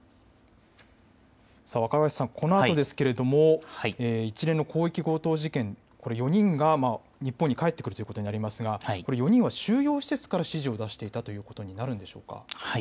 若林さん、このあとですが一連の広域強盗事件、４人が日本に帰ってくるということになりますが４人は収容施設から指示を出していたということになるのでしょうか。